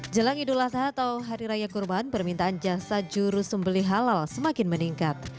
jelang idul adha atau hari raya kurban permintaan jasa juru sembeli halal semakin meningkat